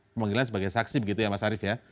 pemanggilan sebagai saksi begitu ya mas arief ya